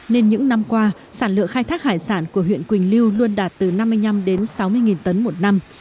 nên những năm qua sản lượng khai thác hải sản của huyện quỳnh lưu luôn đạt từ năm mươi năm đến sáu mươi tấn một năm